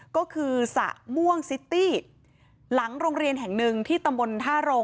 ก็คือสระม่วงซิตี้หลังโรงเรียนแห่งหนึ่งที่ตำบลท่าโรง